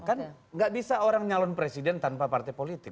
kan nggak bisa orang nyalon presiden tanpa partai politik